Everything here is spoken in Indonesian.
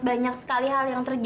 banyak sekali hal yang terjadi